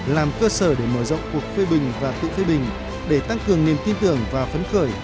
làm cơ sở để mở rộng cuộc phê bình và tự phê bình để tăng cường niềm tin tưởng và phấn khởi